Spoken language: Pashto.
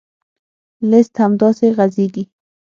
لیست همداسې غځېږي.